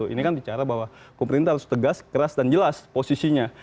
ini kan bicara bahwa pemerintah harus tegas keras dan jelas posisinya